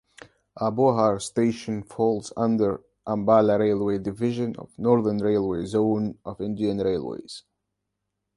Abohar station falls under Ambala railway division of Northern Railway zone of Indian Railways.